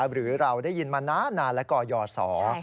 หรือเราได้ยินมานานและก่อยอดสอ